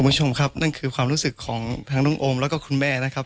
คุณผู้ชมครับนั่นคือความรู้สึกของทั้งน้องโอมแล้วก็คุณแม่นะครับ